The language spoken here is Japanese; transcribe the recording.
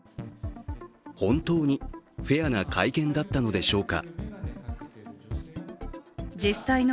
本当にフェアな会見だったのでしょうか。